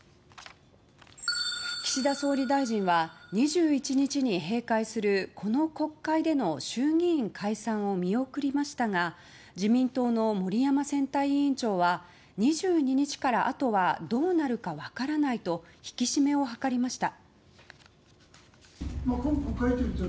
岸田総理大臣は２１日に閉会するこの国会での衆議院解散を見送りましたが自民党の森山選対委員長は２２日からあとはどうなるか分からないと引き締めを図りました。